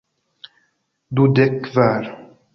Dudek kvar.